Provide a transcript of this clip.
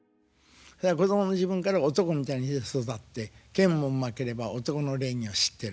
子供の時分から男みたいにして育って剣もうまければ男の礼儀を知ってる。